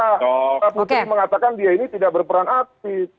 mbak putri mengatakan dia ini tidak berperan aktif